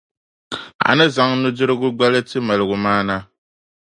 a ni zaŋ nudirigu gbali ti maligumaana.